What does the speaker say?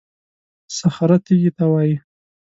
صخره تېږې ته وایي.